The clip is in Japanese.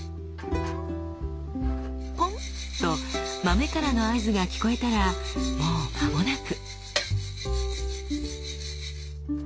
「ポン！」と豆からの合図が聞こえたらもうまもなく。